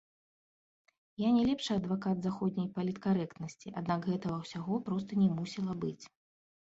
Я не лепшы адвакат заходняй паліткарэктнасці, аднак гэтага ўсяго проста не мусіла быць.